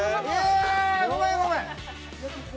えー！ごめんごめん！